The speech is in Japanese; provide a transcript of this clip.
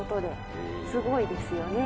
すごいですよね。